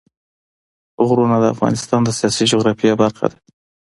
غرونه د افغانستان د سیاسي جغرافیه برخه ده.